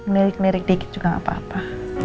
menirik nirik dikit juga gapapa